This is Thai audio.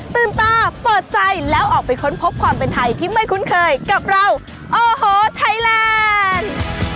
ตาเปิดใจแล้วออกไปค้นพบความเป็นไทยที่ไม่คุ้นเคยกับเราโอ้โหไทยแลนด์